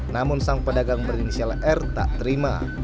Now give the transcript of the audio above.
namun sang pedagang berinisial r tak terima